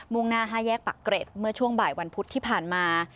่งหน้า๕แยกปักเกร็ดเมื่อช่วงบ่ายวันพุธที่ผ่านมา